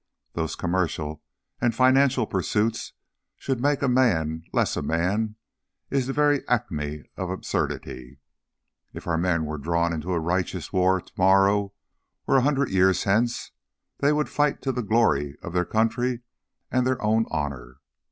Those commercial and financial pursuits should make a man less a man is the very acme of absurdity. If our men were drawn into a righteous war to morrow or a hundred years hence, they would fight to the glory of their country and their own honour.